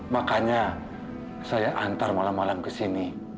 makanya saya antar malam malam ke sini